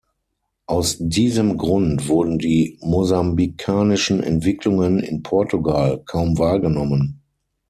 Aus diesem Grund wurden die mosambikanischen Entwicklungen in Portugal kaum wahrgenommen.